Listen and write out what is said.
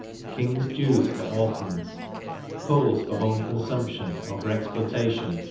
King's dues for Orphans: coals for home consumption, or for exportation, 2s.